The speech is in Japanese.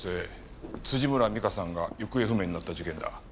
辻村美香さんが行方不明になった事件だ。